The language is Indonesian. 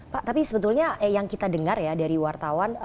pak tapi sebetulnya yang kita dengar ya dari wartawan